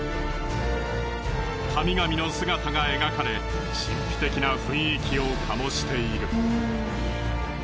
神々の姿が描かれ神秘的な雰囲気をかもしている。